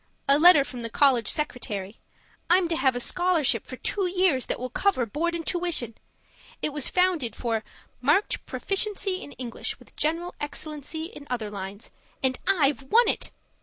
A letter from the college secretary. I'm to have a scholarship for two years that will cover board and tuition. It was founded for 'marked proficiency in English with general excellency in other lines.' And I've won it!